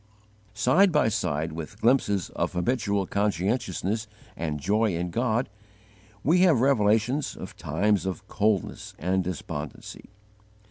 Side by side with glimpses of habitual conscientiousness and joy in God, we have revelations of times of coldness and despondency.